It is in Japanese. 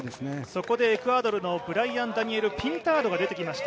そこでエクアドルのブライアンダニエル・ピンタードが出てきました。